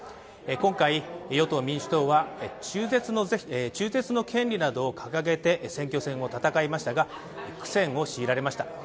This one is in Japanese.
今回、与党・民主党は、中絶の権利などを掲げて、選挙戦を戦いましたが苦戦を強いられました。